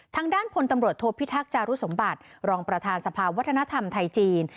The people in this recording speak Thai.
ทางด้านพลตำรวจโทพิทักษ์จารุสมบัติรองประธานสภาวัฒนธรรมไทยจีน